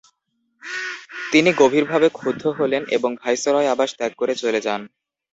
তিনি গভীরভাবে ক্ষুব্ধ হলেন এবং ভাইসরয়র আবাস ত্যাগ করে চলে যান।